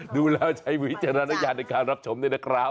ดูแล้วใช้วิจารณญาณในการรับชมด้วยนะครับ